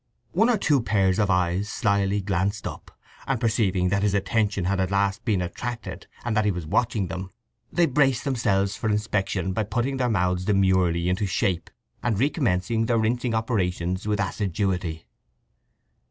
One or two pairs of eyes slyly glanced up, and perceiving that his attention had at last been attracted, and that he was watching them, they braced themselves for inspection by putting their mouths demurely into shape and recommencing their rinsing operations with assiduity.